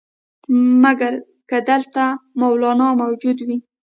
مګر که دلته مولنا موجود وي.